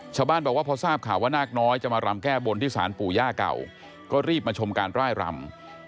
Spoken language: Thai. ชาวบ้านบอกว่าพอทราบข่าวว่านาคน้อยจะมารำแก้บนที่สารปู่ย่าเก่าก็รีบมาชมการร่ายรำ